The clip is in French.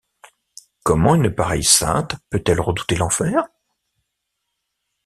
Comment une pareille sainte peut-elle redouter l'enfer ?